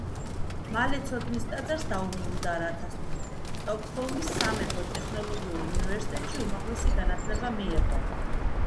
მალე ცოდნის ტაძარს დაუბრუნდა, რათა სტოკჰოლმის სამეფო ტექნოლოგიურ უნივერსიტეტში უმაღლესი განათლება მიეღო.